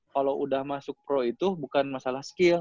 kalau udah masuk pro itu bukan masalah skill